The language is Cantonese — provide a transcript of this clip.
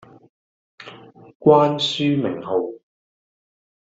關書名號